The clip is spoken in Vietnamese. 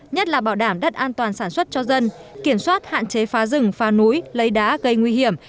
nhất là bảo đảm đất an toàn sản xuất cho dân kiểm soát hạn chế phá rừng phá núi lấy đá gây nguy hiểm